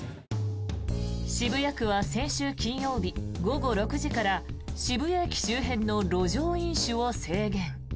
渋谷区は先週金曜日午後６時から渋谷駅周辺の路上飲酒を制限。